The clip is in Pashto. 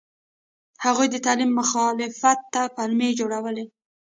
هغوی د تعلیم مخالفت ته پلمې جوړولې.